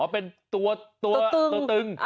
เป็นตัวตึง